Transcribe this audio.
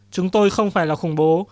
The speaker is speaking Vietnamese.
chúng tôi không phải là khủng bố